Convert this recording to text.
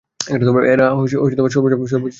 এরা সর্বোচ্চ সহকর্মী।